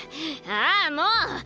ああもう！